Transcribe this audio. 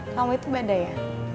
kamu itu badai ya